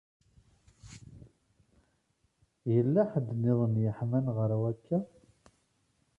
Yella ḥedd nniḍen yeḥman ɣer wakka?